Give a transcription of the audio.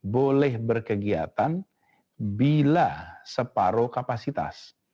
boleh berkegiatan bila separoh kapasitas